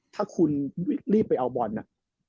ถ้าคุณรีบไปเอาบอลน่ะ